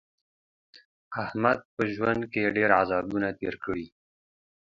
احمد په ژوند کې ډېر عذابونه تېر کړي دي.